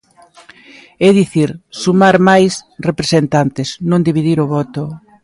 É dicir, sumar máis representantes, non dividir o voto.